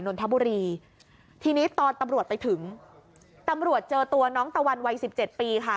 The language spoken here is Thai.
นนทบุรีทีนี้ตอนตำรวจไปถึงตำรวจเจอตัวน้องตะวันวัยสิบเจ็ดปีค่ะ